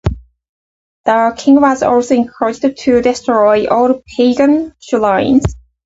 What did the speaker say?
The king was also encouraged to destroy all pagan shrines.